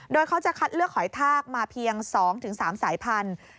โดยเขาจะคัดเลือกหอยทากมาเพียง๒๓สายพันธุ์